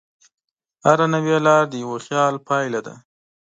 هره نوې لار د یوه خیال پایله ده.